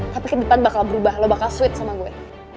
tapi kedepan bakal berubah lo bakal sweet sama gue